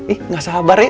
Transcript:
ih gak sabar ya